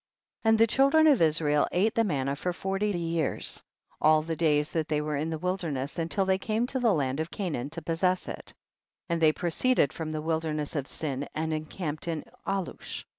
49. And the children of Israel ate the manna for forty years, all the days that they were in the wilderness, until they came to the land of Ca naan to possess it. 50. And they proceeded from the wilderness of Sin and encamped in Alush.